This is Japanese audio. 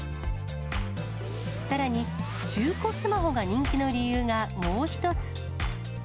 さらに、中古スマホが人気の理由がもう一つ。